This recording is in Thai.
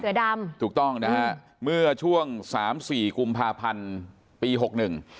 เสือดำถูกต้องนะฮะเมื่อช่วงสามสี่กุมภาพันธ์ปีหกหนึ่ง